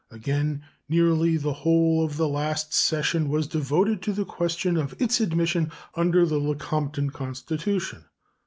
Again, nearly the whole of the last session was devoted to the question of its admission under the Lecompton constitution.